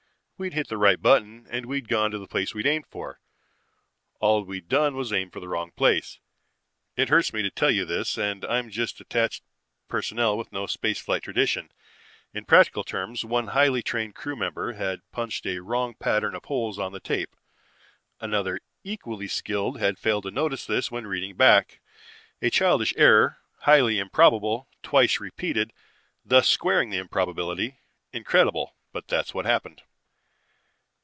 We'd hit the right button and we'd gone to the place we'd aimed for. All we'd done was aim for the wrong place. It hurts me to tell you this and I'm just attached personnel with no space flight tradition. In practical terms, one highly trained crew member had punched a wrong pattern of holes on the tape. Another equally skilled had failed to notice this when reading back. A childish error, highly improbable; twice repeated, thus squaring the improbability. Incredible, but that's what happened.